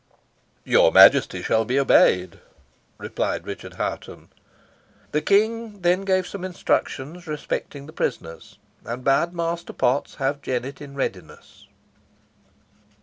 "Your Majesty shall be obeyed," replied Sir Richard Hoghton. The King then gave some instructions respecting the prisoners, and bade Master Potts have Jennet in readiness.